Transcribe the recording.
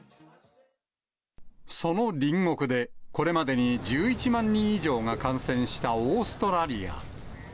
その隣国で、これまでに１１万人以上が感染したオーストラリア。